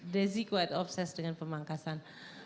desi quite obses dengan pemangkasan